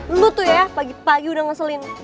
lembut tuh ya pagi pagi udah ngeselin